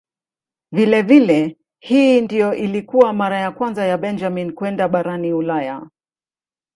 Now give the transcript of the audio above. Vilevile hii ndiyo ilikuwa mara ya kwanza kwa Benjamin kwenda barani Ulaya.